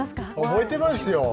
覚えてますよ。